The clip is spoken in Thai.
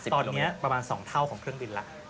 ตอนนี้ประมาณ๒เท่าของเครื่องบินแล้ว